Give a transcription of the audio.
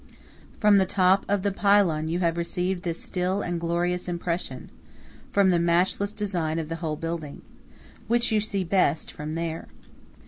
From the top of the pylon you have received this still and glorious impression from the matchless design of the whole building, which you see best from there.